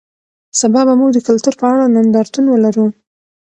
سبا به موږ د کلتور په اړه نندارتون ولرو.